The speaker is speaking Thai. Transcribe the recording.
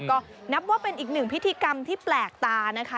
ก็นับว่าเป็นอีกหนึ่งพิธีกรรมที่แปลกตานะคะ